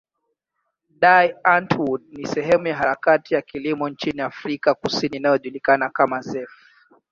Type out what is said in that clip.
Die Antwoord ni sehemu ya harakati ya kilimo nchini Afrika Kusini inayojulikana kama zef.